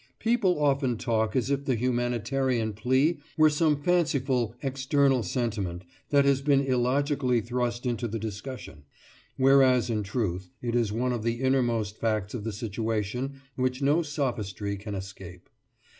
People often talk as if the humanitarian plea were some fanciful external sentiment that has been illogically thrust into the discussion; whereas in truth it is one of the innermost facts of the situation which no sophistry can escape.